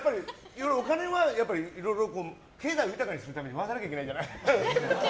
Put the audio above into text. お金はいろいろ経済を豊かにするために回さなきゃいけないから。